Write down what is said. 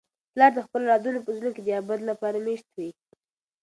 پلار د خپلو اولادونو په زړونو کي د ابد لپاره مېشت وي.